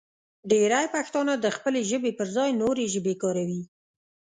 ډېری پښتانه د خپلې ژبې پر ځای نورې ژبې کاروي.